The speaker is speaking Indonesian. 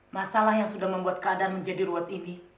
masalah yang sudah membuat keadaan menjadi ruwet ini